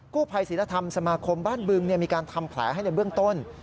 ภัยศิลธรรมสมาคมบ้านบึงมีการทำแผลให้ในเบื้องต้น